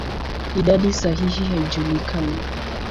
Idadi sahihi haijulikani.